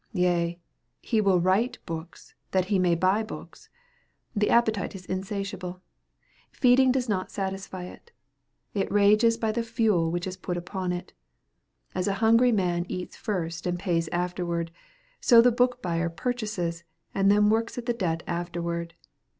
Yea, he will write books, that he may buy books! The appetite is insatiable. Feeding does not satisfy it. It rages by the fuel which is put upon it. As a hungry man eats first and pays afterward, so the book buyer purchases and then works at the debt afterward.